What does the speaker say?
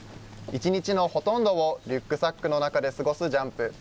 一日のほとんどをリュックサックの中で過ごすジャンプ。